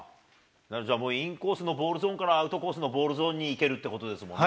もうインコースのボールゾーンから、アウトコースのボールゾーンにいけるということですね。